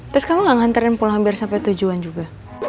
terus kamu gak ngantarin pulang hampir sampai tujuan juga